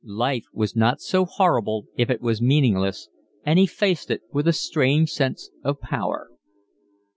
Life was not so horrible if it was meaningless, and he faced it with a strange sense of power.